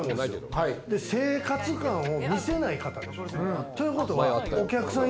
生活感を見せない方でしょ？ということはお客さん